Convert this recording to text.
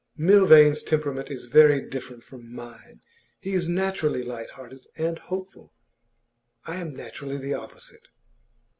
'Milvain's temperament is very different from mine. He is naturally light hearted and hopeful; I am naturally the opposite.